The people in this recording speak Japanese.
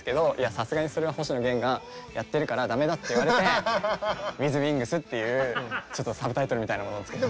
さすがにそれは星野源がやってるから駄目だって言われて「ｗｉｔｈＷｉｎｇｓ」っていうサブタイトルみたいなものを付けて。